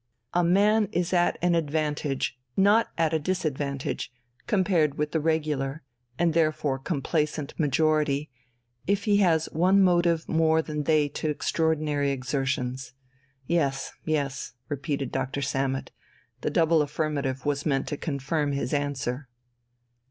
A man is at an advantage, not at a disadvantage, compared with the regular and therefore complacent majority, if he has one motive more than they to extraordinary exertions. Yes, yes," repeated Dr. Sammet. The double affirmative was meant to confirm his answer.